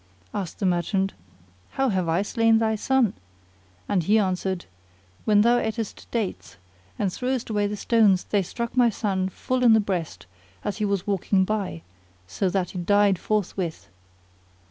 Asked the merchant, "How have I slain thy son?" and he answered, "When thou atest dates and threwest away the stones they struck my son full in the breast as he was walking by, so that he died forthwith."